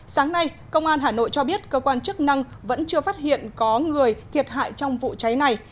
sáng nay công an hà nội cho biết cơ quan chức năng vẫn chưa phát hiện có người thiệt hại trong vụ cháy này